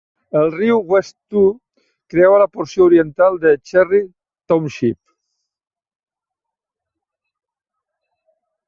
El riu West Two creua la porció oriental de Cherry Township.